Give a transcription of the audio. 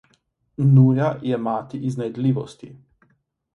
Nuja je mati iznajdljivosti.